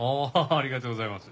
ありがとうございます。